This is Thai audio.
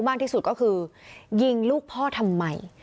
มากที่สุดก็คือยิงลูกพ่อทำไม